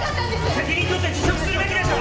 責任取って辞職するべきでしょ！